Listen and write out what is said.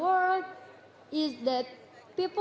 terima kasih banyak pak zulul